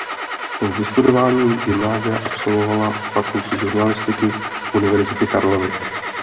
Po vystudování gymnázia absolvovala fakultu žurnalistiky Univerzity Karlovy.